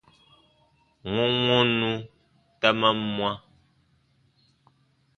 Wɔnwɔnnu ta man mwa.